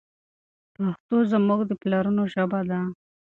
پښتو زموږ د پلرونو ژبه ده.